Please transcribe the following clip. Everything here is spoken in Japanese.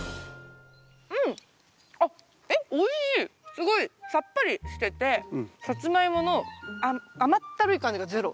すごいさっぱりしててサツマイモの甘ったるい感じがゼロ。